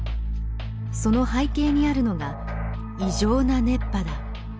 その背景にあるのが異常な熱波だ。